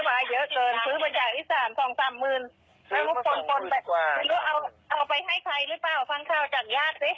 ไม่ได้ให้เลยออกไปซุกไปที่ไหนไม่รู้ไง